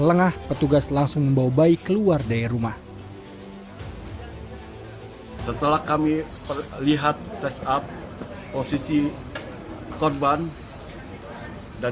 lengah petugas langsung membawa bayi keluar dari rumah setelah kami perlihat ses up posisi korban dan